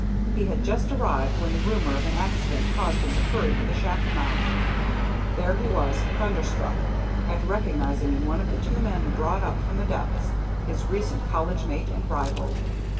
He had just arrived when the rumor of an accident caused him to hurry to the shaft mouth. There he was thunderstruck at recognizing in one of the two men brought up from the depths his recent college mate and rival.